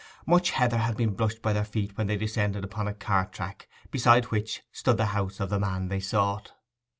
Much heather had been brushed by their feet when they descended upon a cart track, beside which stood the house of the man they sought.